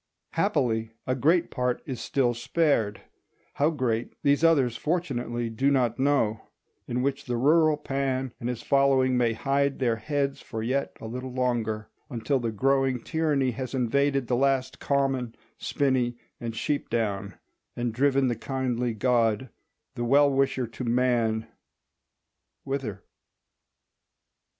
Happily a great part is still spared—how great these others fortunately do not know—in which the rural Pan and his following may hide their heads for yet a little longer, until the growing tyranny has invaded the last common, spinney, and sheep down, and driven the kindly god, the well wisher to man—whither?